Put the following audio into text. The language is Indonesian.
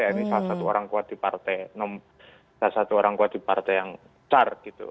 ini salah satu orang kuat di partai yang car